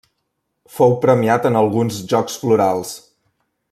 Fou premiat en alguns Jocs Florals.